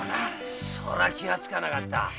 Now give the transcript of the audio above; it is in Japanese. それは気がつかなかった。